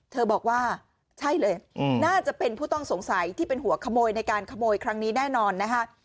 บอกว่าใช่เลยน่าจะเป็นผู้ต้องสงสัยที่เป็นหัวขโมยในการขโมยครั้งนี้แน่นอนนะคะ